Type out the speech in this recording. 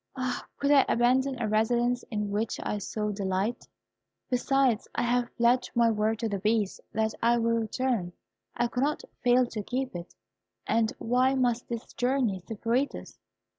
Ah! could I abandon a residence in which I so delight! Besides, I have pledged my word to the Beast, that I will return. I cannot fail to keep it; and why must this journey separate us?